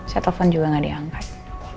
saya telepon juga gak diangkas